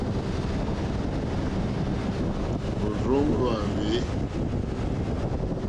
Òrzòŋwá hwɛ̂.